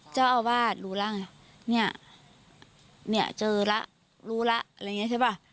เจ้าอาวาสรู้แล้วไงเนี่ยเนี่ยเจอแล้วรู้แล้วอะไรอย่างนี้ใช่ป่ะ